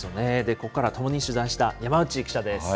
ここからは共に取材した山内記者